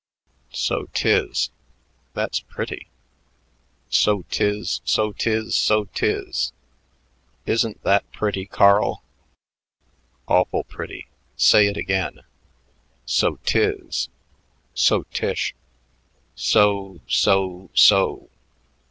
So 'tis. That's pretty. So 'tis, so 'tis, so 'tis. Isn't that pretty, Carl?" "Awful pretty. Say it again." "So 'tis. So 'tish. So so so.